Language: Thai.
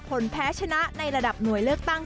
ผลแพ้ชนะในระดับหน่วยเลือกตั้ง